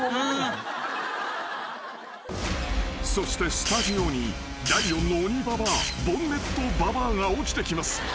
［そしてスタジオに第４の鬼ババアボンネットババアが落ちてきます］